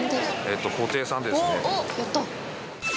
おっやった！